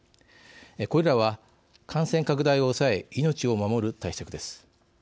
これらは、感染拡大を抑え命を守る対策です。